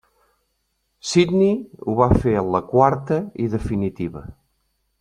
Sydney ho va fer en la quarta i definitiva.